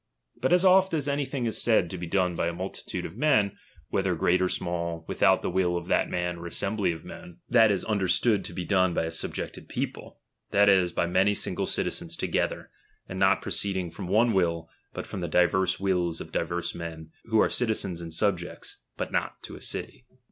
But as oft as anything is said to be done by a multitude of men, whether great or small, without the will of that man or assembly of men, that is understood to be done by a subjected people ; that is, by many single citizens together ; and not proceeding from one will, but from diverse wills of diverse men, who are citizens and subjects, but not a city.